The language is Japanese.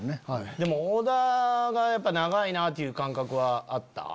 でも織田がやっぱ長いなっていう感覚はあった？